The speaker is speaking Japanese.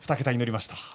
２桁になりました。